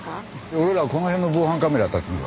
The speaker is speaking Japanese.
俺らはこの辺の防犯カメラあたってみるわ。